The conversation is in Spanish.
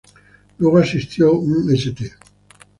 Luego asistió Un St.